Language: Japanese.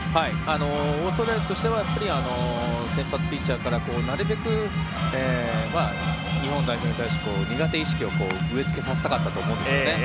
オーストラリアとしては先発ピッチャーからなるべく日本代表に対して苦手意識を植えつけさせたかったと思いますね。